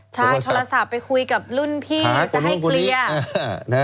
ไปคุยกับรุ่นพี่จะให้เครียห์